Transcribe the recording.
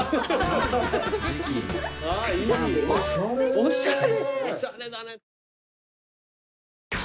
おしゃれ。